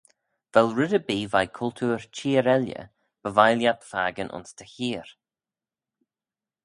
Vel red erbee veih cultoor çheer elley by vie lhiat fakin ayns dty heer?